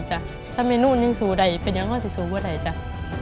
ถ้าไม่นุ่นยิ่งสูงได้เป็นอย่างข้าวสูงสูงกว่าใด